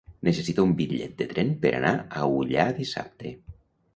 Necessito un bitllet de tren per anar a Ullà dissabte.